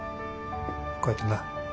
こうやってな。